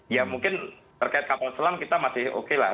ya mungkin terkait kapal selam kita masih oke lah